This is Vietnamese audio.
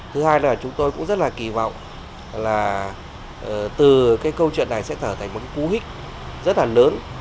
thứ hai là chúng tôi cũng rất kỳ vọng là từ câu chuyện này sẽ thở thành một cú hích rất lớn